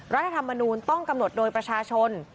รัฐธรรมนูลต้องกำหนดโดยประชาชน